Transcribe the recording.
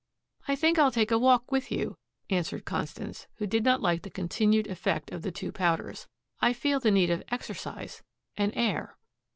"I think I'll take a walk with you," answered Constance, who did not like the continued effect of the two powders. "I feel the need of exercise and air."